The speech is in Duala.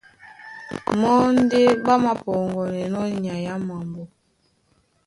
Mɔ́ ndé ɓá māpɔŋgɔnɛnɔ́ nyay á mambo.